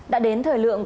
đã đến thời lượng